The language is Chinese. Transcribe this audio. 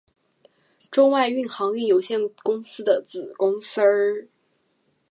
中外运航运有限公司的子公司。